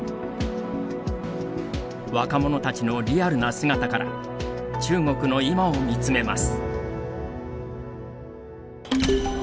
若者たちのリアルな姿から中国の今を見つめます。